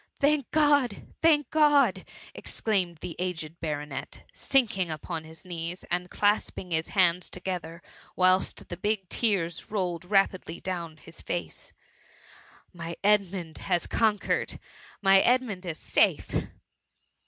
" Thank God ! thank God T exclaimed the aged baronet, sink ing upon his knees, and clasping his hands toge ther, whilst the big tears rolled rapidly down his face, '^ My Edmund has conquered ! my Edmund is safe